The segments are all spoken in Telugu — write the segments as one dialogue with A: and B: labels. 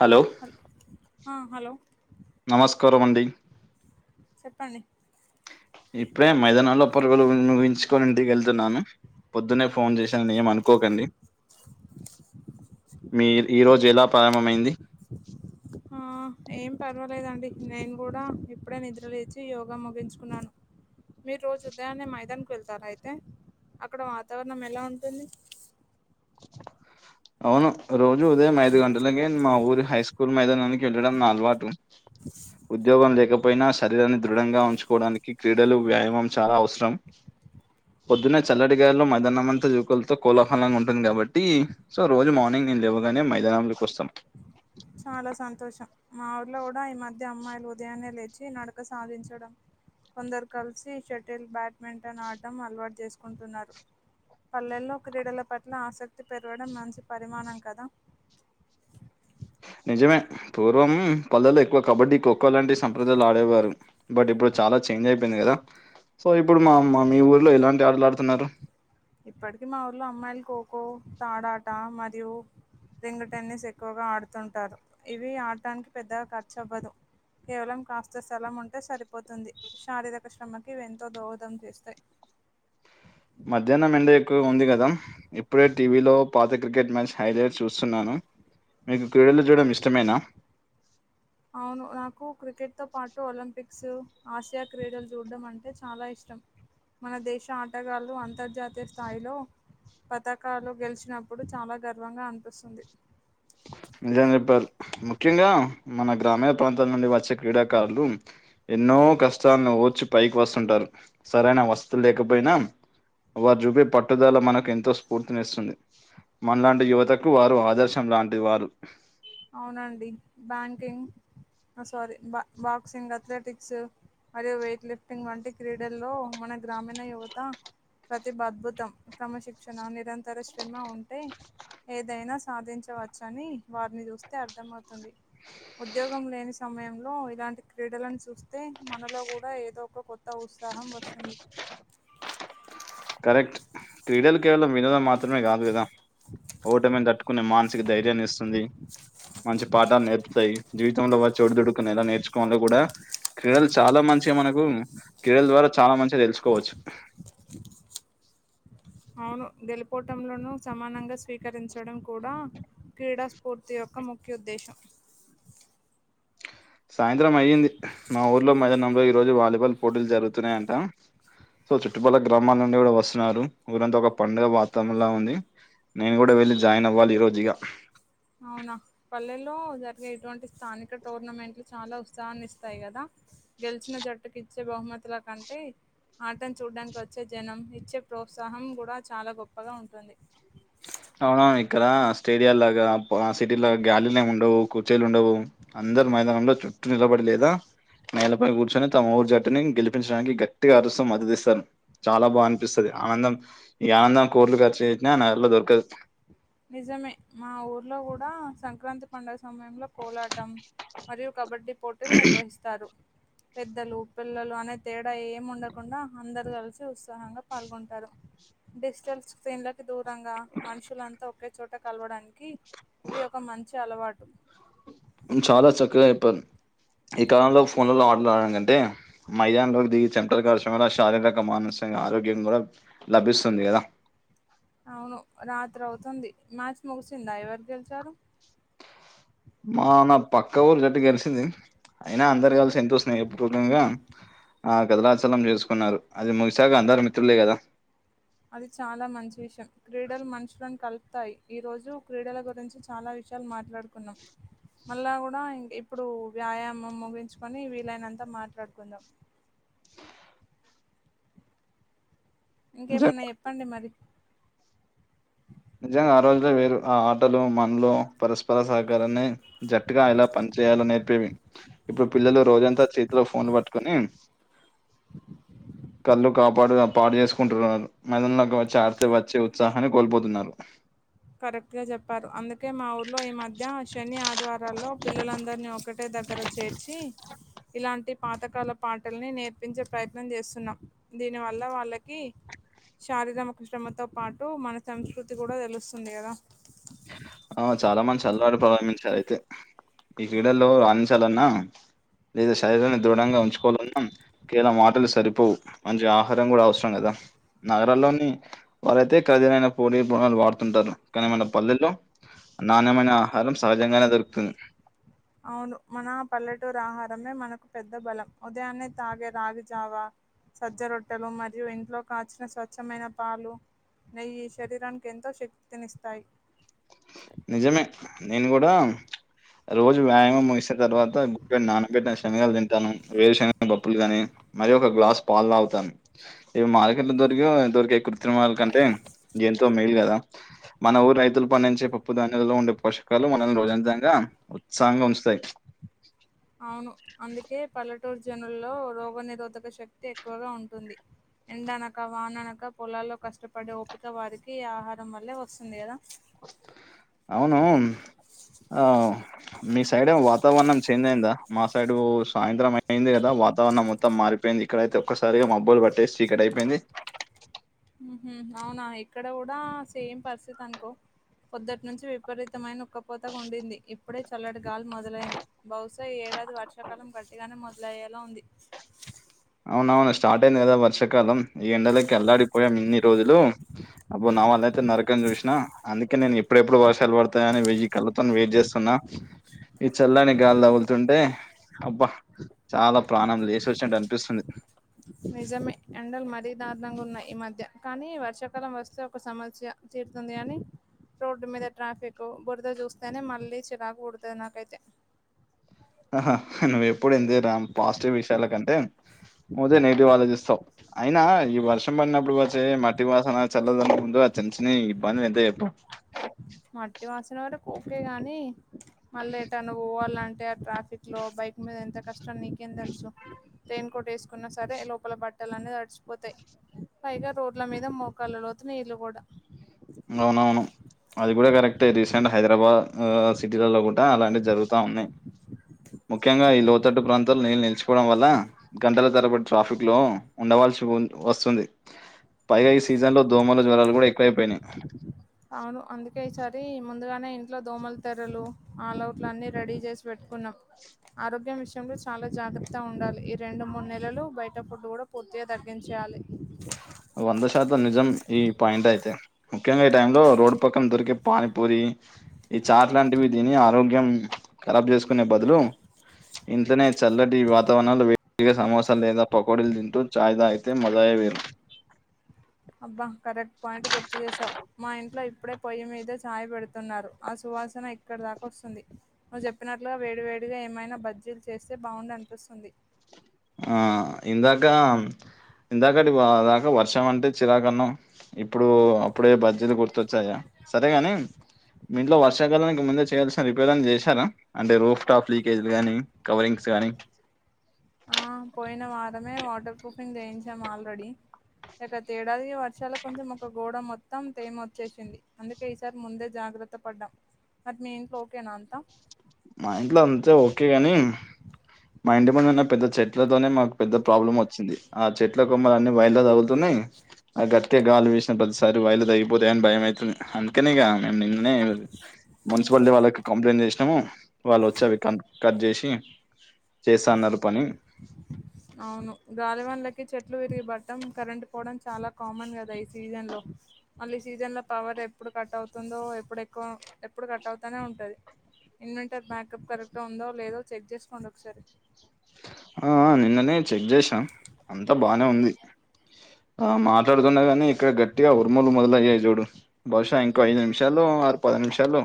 A: హలో
B: హల్ ఆ హలో
A: నమస్కారం అండి
B: చెప్పండి
A: ఇప్పుడే మైదానాల్లో పరుగులు ముగించుకోనింటికి వెళ్తున్నాను పొద్దున్నే ఫోన్ చేశాను అన్ని ఏం అనుకోకండి మీ ఈరోజు ఎలా ప్రారంభమైంది
B: ఏం పర్వాలేదండి నేను కూడా ఇప్పుడే నిద్ర లేచి యోగా ముగించుకున్నాను మీరు రోజు ఉదయాన్నే మైదానికి వెళ్తారా అయితే అక్కడ వాతావరణం ఎలా ఉంటుంది
A: అవును రోజు ఉదయం ఐదు గంటలకే మా ఊరి హై స్కూల్ మైదానానికి వెళ్ళడం నా అలవాటు ఉద్యోగం లే లేకపోయినా శరీరాన్ని దృఢంగా ఉంచుకోవడానికి క్రీడలు వ్యాయామం చాలా అవసరం పొద్దున్న చల్లడిగాలిలో మైదానమంత జూకులతో కోలాహలంగా ఉం ఉంటుంది కాబట్టి సో రోజు మార్నింగ్ నేను లేవగానే మైదానంలోకి వస్తాం
B: చాలా సంతోషం మా చ్చి నడక సాధించడం కొందరు కలిసి షటిల్ బ్యాడ్మింటన్ ఆటడం అలవాటు చేసుకుంటున్నారు పల్లెల్లో క్రీడల పట్ల ఆసక్తి పెరగడం మంచి పరిమాణం కదా
A: నిజమే పూర్వం పల్లెలో ఎక్కువ కబడ్డీ ఖోఖో లాంటి సంప్రదాయాలు ఆడేవారు బట్ ఇప్పుడు చాలా చేం అని అయిపోయింది కదా సో ఇప్పుడు మా మా మీ ఊర్లో ఇలాంటి ఆటలు ఆడుతున్నారు
B: ఇప్పటికి మా ఊర్లో అమ్మాయిలు ఖో ఖో తాడాట మరియు రింగ్ టెన్నిస్ ఎక్కువగా ఆడుతుంటారు ఇవి ఆడటానికి పెద్దగా ఖర్చు అవ్వదు కేవలం కాస్త స్థలం ఉంటే సరిపోతుంది శారీరక శ్రమకి ఎంతో దోహదం చేస్తాయి
A: మధ్యాహ్నం ఎండ ఎక్కువ ఉంది కదా ఇప్పుడే టీవీలో పాత క్రికెట్ మ్యాచ్ హైలైట్ చూస్తున్నాను మీకు క్రీడలు చేయడం ఇష్టమేనా
B: అవును నాకు క్రికెట్ తో పాటు ఒలంపిక్ క్స్ ఆసియా క్రీడలు చూడడం అంటే చాలా ఇష్టం మన దేశ ఆటగాళ్లు అంతర్జాతీయ స్థాయిలో పథకాలు గెలిచినప్పుడు చాలా గర్వంగా అనిపిస్తుంది
A: నిజం చెప్పారు ముఖ్యంగా మన గ్రామీణ ప్రాంతాల నుండి వచ్చే క్రీడాకారులు ఎన్నో కష్టాలను ఓర్చి పైకి వస్తుంటారు సరైన వస్తులు లేకపోయినా వారు చూపే పట్టుదల మనకు ఎంతో స్ఫూర్తిని ఇస్తుంది మనలాంటి యువతకు వారు ఆదర్శం లాంటివారు
B: అవునండి బ్యాంకింగ్ ఆ సారీ బా బాక్సింగ్ అథ్లెటిక్స్ మరియు వెయిట్ లిఫ్టింగ్ వంటి క్రీడల్లో మన గ్రామీణ యువత ప్రతి అద్భుతం క్రమశిక్షణ నిరంతర శ్రమ ఉంటే ఏదైనా సాధించవచ్చ అని వారిని చూస్తే అర్థమవుతది ఉద్యోగం లేని సమయంలో ఇలాంటి క్రీడలను చూస్తే మనలో కూడా ఏదో ఒక కొత్త ఊసు ఉత్సాహం వస్తుంది
A: కరెక్ట్ క్రీడలు కేవలం వినోదం మాత్రమే కాదు కదా ఓటమిని తట్టుకునే మానసిక ధైర్యాన్ని ఇస్తుంది మంచి పాఠాలు నేర్పుతాయి జీ తోండా వాచు ఓడు దదుడుకునేదా నేలా నేర్చుకోడు కూడా క్రీడలు చాలా మంచిగా మనకు క్రీడల ద్వారా చాలా మంచిగా తెలుసుకోవచ్చు
B: అవును గెలుపోటములను సమానంగా స్వీకరించడం కూడా క్రీడా స్ఫూర్తి యొ ఒక ముఖ్య ఉద్దేశం
A: సాయంత్రం అయ్యింది మా ఊర్లో మైదానంలో ఈ రోజు వాలీబాల్ పోటీలు జరుగుతున్నాయి అంటా సో చుట్టుపల గ్రామాల నుండి కూడా వస్తున్నారు ఊరంతా ఒక పండుగ వాతావరణంలా ఉంది నేను కూడా వెళ్ళి జాయిన్ అవ్వాలి ఈ రోజు ఇగా
B: అవునా పల్లెల్లో జరిగే ఇటువంటి స్థానిక టోర్నమెంట్లు చాలా ఉత్సాహాన్ని ఇస్తాయి కదా గెలిచిన జట్టుకి ఇచ్చే బహుమతుల కంటే ఆటను చూడ్డానికి వచ్చే జనం ఇచ్చే ప్రోత్సాహం కూడా చాలా గొప్పగా ఉంటుంది
A: అవునావు ఇక్కడ స్టేడియా లాగా సిటీ లాగా గ్యాలీలు ఏం ఉండవు కూర్చీలు ఉండవు అందరు మైదానంలో చుట్టూ నిలబడి లేదా నేలపై కూర్చొని తమ ఊరు జట్టుని గెలిపించడానికి గట్టిగా అరుస్తాం మద్దతు ఇస్తాం చాలా బా అనిపిస్తాది ఆనందం ఈ ఆనందం కోర్లుగా చేరినా నాయిల దొర్కదు
B: నిజమే మా ఊర్లో కూడా సంక్రాంతి పండగ సమయంలో కోలాటం మరియు కబడ్డీ పోటీలు నిర్వహిస్తారు పెద్దలు పిల్లలు అనే తేడా ఏముండకుండా అందరు కలిసి ఉత్సాహంగా పాల్గొంటారు డిజిటల్ స్క్రిన్లాకి దు ఈ విధంగా మనుషులంతా ఒకే చోట కలవడానికి ఇవి ఒక మంచి అలవాటు
A: చాలా చక్కగా చెప్పాన్ ఈ కాలంలో ఫోన్లలో ఆటలు ఆడడం కంటే మైదాన లోకి దిగి చమటలు కార్చడమే శారీరక మనస్ ఆరోగ్యం కూడా లభిస్తుంది కదా
B: అవును రాత్రి అవుతుంది మ్యాచ్ ముగిసిందా ఎవరి గెలిచారు
A: మా నా పక్క ఊరు జట్టు గెలిసింది అయినా అందరు కలిసి ఎంతో స్నేహపూర్వకంగా ఆ కదలాచలం చేసుకున్నారు అది ముగిశాక అందరు మిత్రులే కదా
B: అది చాలా మంచి విషయం క్రీడలు మనుషులను కల్ తాయి ఈ రోజు క్రీడల గురించి చాలా విషయాలు మాట్లాడుకున్నాం మళ్ళా కూడా ఇం ఇప్పుడు వ్యాయామం ముగించుకొని వీలైనంతా మాట్లాడుకుందాం
A: నిజం
B: ఇంకేమన్నా చెప్పండి మరి
A: నిజంగా ఆ రోజులే వేరు ఆ ఆటలు మనులు పరస్పర సహకారాన్ని జట్టుగా ఎలా పని చేేయలో నేర్పేవి ఇప్పుడు పిల్లలు రోజంతా చేతిలో ఫోన్లు పట్టుకోని కళ్ళు కాపాడు పాడు చేసుకుంటున్నారు మైదానికి వచ్చి ఆడితే వచ్చే ఉత్సాహాన్ని కోల్పోతున్నారు
B: కరెక్ట్ గా చెప్పారు అందుకే మా ఊర్లో ఈ మధ్య శని ఆదివారాల్లో పిల్లలందరినీ ఒకట్ టే దగ్గర చేర్చి ఇలాంటి పాతకాల పాటల్ని నేర్పించే ప్రయత్నం చేస్తున్నా దీనివల్ల వాళ్ళకి శారీరమ శ్రమతో పాటు మన సంస్కృతి కూడా తెలుస్తుంది కదా
A: ఆ చాలా మంది చల్లరుపవాడు ప్రారంభించారు అయితే ఈ క్రీడల్లో రాణించాలన్నా లేదా శరీరాన్ని దృఢంగా ఉంచుకోవాలన్నా కీల మాటలు సరిపోవు మంచి ఆహారం కూడా అవసరం కదా నగరాల్లోని వారైతే ఖరదీలైన పోడి బునాలు వాడుతుంటారు కానీ మన పల్లెల్లో నాన్యమైన ఆహారం సహజంగానే దొర్కుతుంది
B: అవును మన పల్లెటూరి ఆహారమే మనకు పెద్ద బలం ఉదయాన్నే తాగే రాగిజావా సజ్జ రొట్టెలు మరియు ఇంట్లో కాచిన స్వచ్ఛమైన పాలు నెయ్యి శరీరానికి ఎంతో శక్తినిస్తాయి
A: నిజమే నేను కూడా రోజు వ్యాయామం ముగిసిన తర్వాత గుప్పెడు నానబెట్టి శనలు తింటాను వేరు శన బప్పులు గాని మరి ఒక గ్లాస్ పాలు తాగుతాను ఇవి మార్కెట్ లో దొరికే దొరికే కృత్రిమాల కంటే ఎంతో మేయిల్ కదా మన ఊరు రైతులు పడించే పప్పు ధాన్యలో ఉండే పోషకాలు మనల్ని రోజంతంగా ఉత్సాహంగా ఉంచుతాయి
B: అవును అందుకే పల్లెటూరు జనుల్లో రోగ నిరోధక శక్తి ఎక్కువగా ఉంటుంది ఎండనక వాననక పొలాల్లో కష్టపడి ఒప్పిక వారికి ఆహారం వల్లే వస్తుంది గదా
A: అవును ఆ మీ సైడ్ ఏం వాత్ వాతావరణం చేంజ్ అయిందా మా సైడ్ సాయంత్రం అయింది కదా వాతావరణం మొత్తం మారిపోయింది ఇక్కడయితే ఒక్కసారి మబ్బలు పట్టేసి చీకటి అయిపోయింది
B: మ్ హు అవునా ఇక్కడ కూడా సేమ్ పరిస్థితి అనుకో పొద్దుటి నుంచి విపరీతమైన ఉక్కపోతగ ఉండింది ఇప్పుడే చల్లటి గాలి మొదలైంది బహుశా ఈ ఏడాది వర్షకాలం గట్టిగానే మొదలయ్యేలా ఉంది
A: అవునవును స్టార్ట్ అయింది కదా వర్షకాలం ఈ ఎండలకి అల్లాడిపోయం ఇన్ని రోజులు అప్పుడు వాన లేక నరకం చూసిన అందుకే నేను ఎప్పుడెప్పుడు వర్షాలు పడతాయని వెయ్యి కళ్ళతోని వెయిట్ చేస్తున్నా ఈ చల్లాని గాలి తగులుతుంటే అబ్బా చాలా ప్రాణం లేసోచింటనిపి స్తుంది
B: నిజమే ఎండలు మరీ దారుణంగా ఉన్నాయి ఈ మధ్య కానీ వర్షాకాలం వస్తే ఒక సమస్య తీ తుంది గాని రోడ్డు మీద ట్రాఫిక్ బురద చూస్తేనే మళ్ళీ చిరాకు పుడుతది నాకైతే
A: ఆహా నువ్వెప్పుడు ఇంతేరా పాజిటివ్ విషయాల కంటే ముదే నెగిటివ్ ఆలోచిస్తావు అయినా ఈ వర్షం పడినప్పుడు వచ్చే మట్టి వాసన చల్లదన ముందు చిన్న చిన్న ఇ బంది ఎంతా ఎప్ప
B: మట్టి వాసిన వరకు ఓకే గాని మళ్ళ ఏట నువ్వు పోవాలంటే ఆ ట్రాఫిక్ లో బయ బైక్ మీద ఎంత కష్టం నీకేం తెలుసు రెయిన్ కోట్ వేసుకున్నా సరే లోపల బట్టలు అన్నీ త డిచిపోతాయి. పైగా రోడ్ల మీద మోకాళ్ల లోతు నీళ్లు కూడా
A: నవునవును అది కూడ కరెక్ట్ రీసెంట్ హైదరాబాద్ అ సిటీలలో కూడ అలానే జరుగుతా ఉన్నాయి. ముఖ్యంగా ఈ లోతట్టు ప్రాంతాలు నీళ్ళు నిలిచిపోవడం వల్ల గంటల తరబడి ట్రాఫిక్ లో ఉండవ వసువున్ వస్తుంది పైగా ఈ సీజన్ లో దోమలు జ్వరాలు కూడ ఎక్కువైపోయినాయి.
B: అవును అందుకే ఈ సారి ముందుగానే ఇంట్లో దోమలు తెర్రలు, ఆల్ అవుట్లు అన్ని రెడీ చేసి పెట్ కున్నాం ఆరోగ్యం ఇస్ వర్షం లో చాలా జాగ్రత్త ఉండాలి. ఈ రెండు మూడు నెలలు బయట ఫుడ్ గూడ పూర్తిగా తగ్గించేయాలి.
A: వంద శాతం నిజం ఈ పాయింట్ అయితే ముఖ్యంగా ఈ టైంలో రోడ్డు పక్కన దొరికే పానిపూరి ఈ చాట్ లాంటివి తిని ఆరోగ్యం కరాబ్ చేసుకునే బదులు ఇంట్లోనే చల్లటి వాతావరణంలో వేడిగా సమోసా లేదా పకోడీలు తింటూ చాయితాగుతే మజాయ్ వేరు
B: అబ్బా కరెక్ట్ పోయింట్ గుర్తు చేసావ్ మా ఇంట్లో ఇప్పుడే పొయ్యి మీద ఛాయ పెడుతున్నారు. ఆ సువాసన ఇక్కడ దాకా వస్తుంది నువ్ చెప్పిన ట్లో వేడివేడిగా ఏమైనా బజ్జీలు చేస్తే బావుండ అనిపిస్తుంది.
A: ఆ ట్లి వా దాకా వర్షం అంటే చిరాకన్నం ఇప్పుడు అప్పుడే బుజ్జిలు గుర్తొచ్చాయా సరేగాని మ్ మీంట్లో వర్షాకాలానికి ముందే చేయాల్సిన రిపేర్ అని చేశారా అంటే రోఫ్ టాప్ లీకేజ్లు గానీ కవరింగ్ కాని
B: ఆ పోయిన వారమే వాటర్ ప్రూఫింగ్ చేయించాం ఆల్రెడీ గత ఎడాది వర్షాల కొంచెం ఒక గోడ మొత్తం తేమ వచ్చేసింది. అందుకే ఈసారి ముందే జాగ్రత్త జాగ్రత పడ్డాం మరి మీ ఇంట్లో ఓకేనా అంతా
A: మా ఇంట్లో అంతే ఓకే గాని మా ఇంటి ముందు ఉన్న పెద్ద చెట్లతోనే మాకు పెద్ద ప్రాబ్లం వచ్చింది. ఆ చెట్ల కొమ్మలు అన్ని వైల్లా తగులుతున్నాయి. ఆ గట్కే గాలి వీసిన ప్రతిసారి వయర్లు తే గిపోతాయిని భయంఅయితుంది. అందుకనిగా మేము నిన్ననే మున్సిపాలిటీ వాళ్ళకి కంప్లైంట్ చేసినాము. వాళ్ళు వోచ్చి అవి క కట్ చేసి చేస్తా అన్నారు పని
B: అవును గాలి వన్లకి చె ట్లు విరిగి బట్టం, కరెంట్ పోవడం చాలా కామన్ కదా ఈ సీజన్ లో మళ్ళ సీజన్ లో పవర్ ఎప్పుడు ఎప్పుడు కట్ అవుతుందో ఎప్పుడు ఎక్కువ ఎప్పుడు కట్ అవుతానే ఉంటది. ఇన్వెంటర్ బ్యాకప్ కరెక్ట్గా ఉందో లేదో చెక్ చేసుకోండి ఒకసారి
A: ఆ ఆ నిన్ననే చెక్ చేసాం అంతా బానే ఉంది. ఆ మాట్లాడుతున్నా గాని ఇక్కడ గట్టిగా ఉరుమలు మొదలయ్యాయి చూడు బహుశా ఇంకో ఐదు నిమిషాలు ఆరు పద నిమిషాల్లో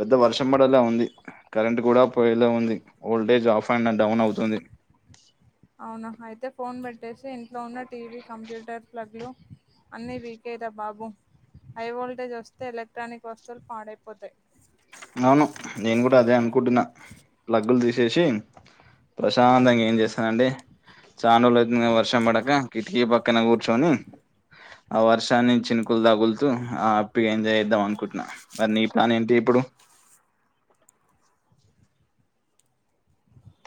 A: పెద్ద వర్షం పడేలా ఉంది. కరెంట్ కూడ పోయేలా ఉంది ఓల్టేజ్ ఆఫ్ అండ్ డౌన్ అవుతుంది.
B: అవునా అయితే ఫోన్ పెట్టేసి ఇంట్లో ఉన్న టీవీ కంప్యూటర్ ప్లగ్లు అన్నీ వికేరా బాబు హై వోల్టేజ్ వస్తే ఎలక్ట్రానిక్ వస్తువులు పాడైపోతాయి.
A: అవును నేను కూడ అదే అనుకుంటున్నా రగ్గులు తీసేసి ప్రశాంతంగా ఏం చేస్తానండి చాన రోజులు అయితుంది గదా వర్షం పడక కిటికీ పక్కన కూర్చోని ఆ వర్షాన్ని చినుకులు తగులుతూ ఆ హ్యపీగా ఎంజాయ్ చేద్దాం అనుకుంటున్నా మరి నీ ప్లాన్ ఏంటి ఇప్పుడు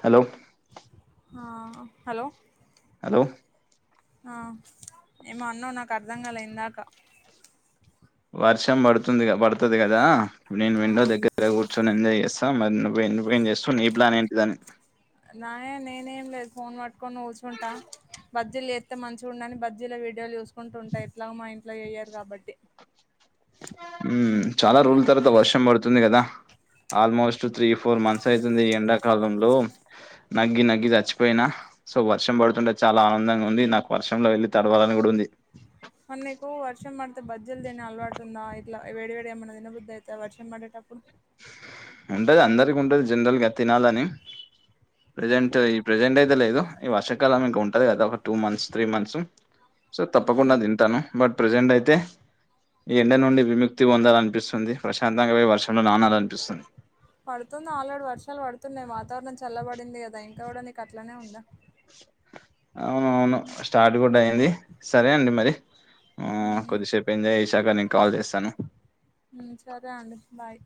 A: హలో
B: ఆ హలో
A: హలో
B: ఆ ఏమో అన్నవు నాకు అర్ధం కాలే ఇందాక
A: వర్షం పడుతుంది పడుతది కదా నేను
B: ఆ
A: విండో దగ్గర కూర్చొని ఎంజాయ్ చేస్ సా మరి నువ్వు నువ్వేం చేస్తావు నీ ప్లాన్ ఏంటిదని
B: నాయేం నేనేం లేదు ఫోన్ పట్టుకొని కూసుంటా బజ్జీలు ఎత్తే మంచిగా ఉండు అని బజ్జీల వీడియోలు చూసుకుంటూ ఉంటా ఎట్లాగా మా ఇంట్లో ఎయ్యారు కాబట్టి
A: ఉమ్ చాల రోజుల తర్వాత వర్షం పడుతుంది గదా ఆల్మోస్ట్ త్రీ, ఫోర్ మన్స్ అయితుంది ఈ ఎండాకాలంలో నగ్గి నగ్గి చచ్చిపోయినా సో వర్షం పడుతుంటే చాలా ఆనందంగా ఉంది, నాకు వర్షంలో వెళ్ళి తడవాలని కూడ ఉంది.
B: మరి నీకు వర్షం పడితే బజ్జీలు తినే అలవాటు ఉందా ఇట్లా వేడి వేడి ఏమైన్నా తినబుద్ది అయితదా వర్షం పడేటప్పుడు
A: ఉంటది అందరికి ఉంటది జనరల్ గా తినాలని ప్రజెంట్ ఈ ప్రజెంట్ అయితే లేదు ఈ వర్షాకాలం ఇంక ఉంటది కదా ఒక two months, three months so తప్పకుండా
B: ఉమ్.
A: తింటాను బట్ ప్రజెంట్ అయితే ఈ ఎండ నుండి విముక్తి పొందాల అనిపిస్తుంది ప్రశాంతంగా పోయి వర్ష ములో నానాలనిపిస్తుంది
B: పడుతుంది ఆల్రెడీ వర్షాలు పడుతున్నాయి వాతావరణం చల్లబడింది గదా ఇం గా కూడ నీకు అట్లానే ఉందా
A: అవునవును స్టార్ట్ కూడ అయింది సరే అండి మరి ఉమ్ కొద్దిసేపు ఏంజాయ్ చేసాక నేను కాల్ చేస్తాను
B: ఉమ్ సరే అండి బాయ్